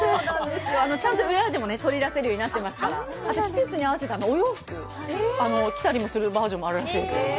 ちゃんと裏で取り出せるようになっていますから季節に合わせたお洋服を着たりするバージョンもあるらしいです。